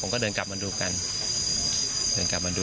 โป่งแร่ตำบลพฤศจิตภัณฑ์